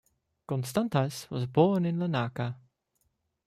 Constantas was born in Larnaca.